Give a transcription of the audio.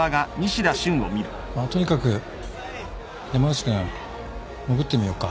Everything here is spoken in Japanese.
まあとにかく山内君潜ってみよっか。